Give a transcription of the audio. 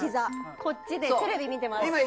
こっちでテレビ見てます。